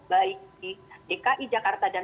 baik di dki jakarta dan